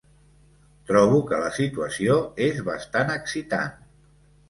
Trobo que la situació és bastant excitant.